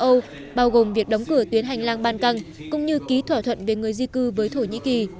châu âu bao gồm việc đóng cửa tuyến hành lang ban căng cũng như ký thỏa thuận về người di cư với thổ nhĩ kỳ